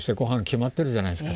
決まってるじゃないですか。